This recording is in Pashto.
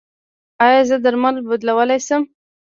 ایا زه درمل بدلولی شم؟